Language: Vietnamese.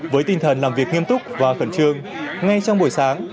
với tinh thần làm việc nghiêm túc và khẩn trương ngay trong buổi sáng